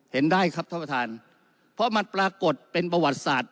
ได้ครับท่านประธานเพราะมันปรากฏเป็นประวัติศาสตร์